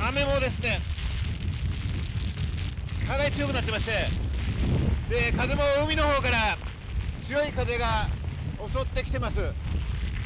雨もかなり強くなってまして、風も海のほうから強い風が襲ってきています。